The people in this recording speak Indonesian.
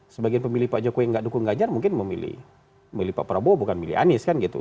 sebagian pemilih pak jokowi yang gak dukung ganjar mungkin memilih pak prabowo bukan milih anies kan gitu